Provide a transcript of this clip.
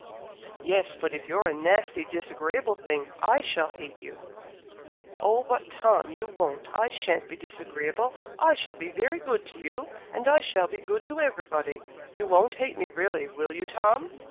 "Yes, but if you're a nasty, disagreeable thing, I shall hate you." "Oh but, Tom, you won't! I shan't be disagreeable. I shall be very good to you, and I shall be good to everybody. You won't hate me really, will you, Tom?"